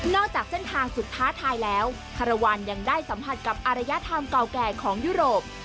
จากเส้นทางสุดท้าทายแล้วคารวาลยังได้สัมผัสกับอารยธรรมเก่าแก่ของยุโรป